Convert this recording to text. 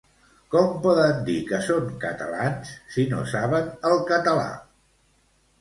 Com poden dir que són catalans si no saben el català?